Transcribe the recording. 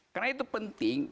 karena itu penting